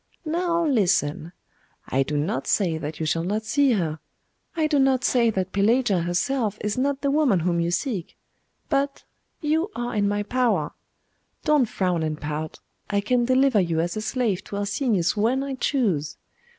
Now listen. I do not say that you shall not see her I do not say that Pelagia herself is not the woman whom you seek but you are in my power. Don't frown and pout. I can deliver you as a slave to Arsenius when I choose.